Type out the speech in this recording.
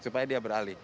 supaya dia beralih